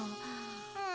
うん。